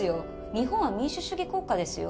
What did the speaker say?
日本は民主主義国家ですよ